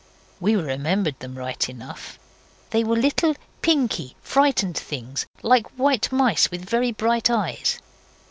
We remembered them right enough they were little pinky, frightened things, like white mice, with very bright eyes.